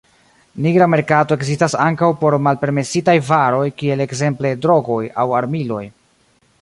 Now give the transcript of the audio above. Nigra merkato ekzistas ankaŭ por malpermesitaj varoj kiel ekzemple drogoj aŭ armiloj.